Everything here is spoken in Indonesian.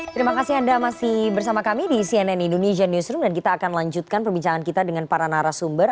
terima kasih anda masih bersama kami di cnn indonesia newsroom dan kita akan lanjutkan perbincangan kita dengan para narasumber